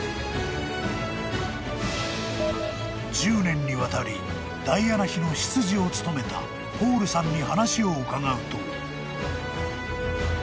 ［１０年にわたりダイアナ妃の執事を務めたポールさんに話を伺うと］